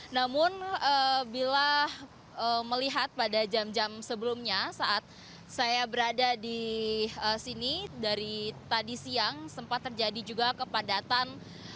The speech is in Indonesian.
namun bila melihat pada jam jam sebelumnya saat saya berada di sini dari tadi siang sempat terjadi juga kepadatan